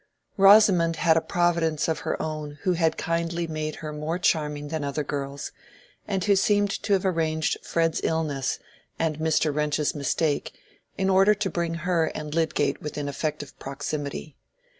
Rosamond had a Providence of her own who had kindly made her more charming than other girls, and who seemed to have arranged Fred's illness and Mr. Wrench's mistake in order to bring her and Lydgate within effective proximity.